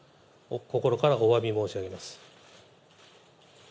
心からおわび申し上げます。